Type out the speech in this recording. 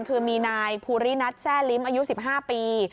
คือมีนายภูรินัทแซ่ลิ้มอายุ๑๕ปี